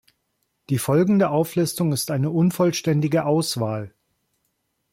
Die folgende Auflistung ist eine unvollständige Auswahl.